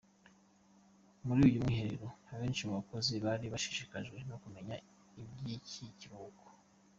Muri uyu mwiherero abenshi mu bakozi bari bashishikajwe no kumenya iby’iki kiruhuko.